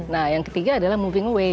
nah yang ketiga adalah moving away